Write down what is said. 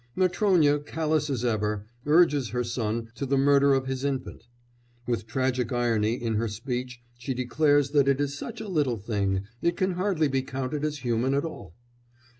Matrónya, callous as ever, urges her son to the murder of his infant; with tragic irony in her speech she declares that it is such a little thing, it can hardly be counted as human at all.